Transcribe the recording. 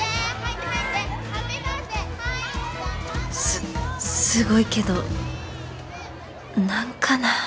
すすごいけど何かなぁ